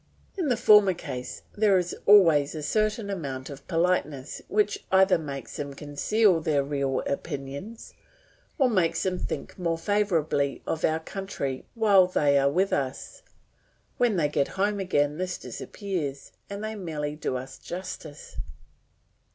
In the former case there is always a certain amount of politeness which either makes them conceal their real opinions, or makes them think more favourably of our country while they are with us; when they get home again this disappears, and they merely do us justice.